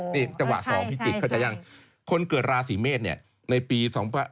นี่จังหวะ๒พิจิกษ์เขายังคนเกิดราศีเมษในปี๒๕๕๙